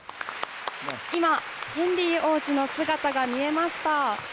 ヘンリー王子の姿が見えました。